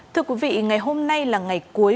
thưa quý vị ngày hôm nay là ngày cuối